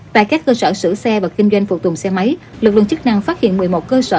tại các cơ sở sửa xe và kinh doanh phụ tùng xe máy lực lượng chức năng phát hiện một mươi một cơ sở